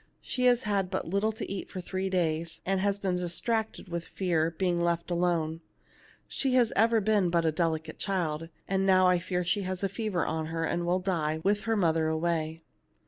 She has had but little to eat for 249 THE LITTLE MAID AT THE DOOK three days, and has been distracted with fear, be ing left alone. She has ever been but a delicate child, and now I fear she has a fever on her, and will die, with her mother away."